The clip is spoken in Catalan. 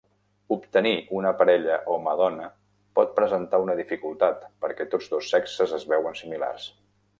Obtenir una parella home-dona pot presentar una dificultat perquè tots dos sexes es veuen similars.